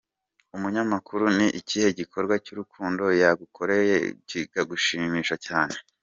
Umunyamakuru:Ni ikihe gikorwa cy’urukundo yagukoreye kikagushimisha cyane?.